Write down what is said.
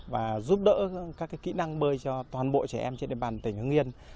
và giúp đỡ các kỹ năng bơi cho toàn bộ trẻ em trên địa bàn tỉnh hưng yên